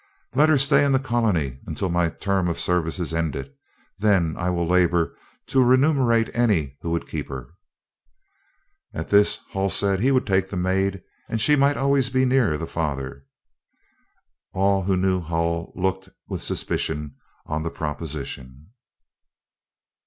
"Let her stay in the colony until my term of service is ended, then I will labor to remunerate any who would keep her." At this Hull said he would take the maid, and she might always be near the father. All who knew Hull looked with suspicion on the proposition.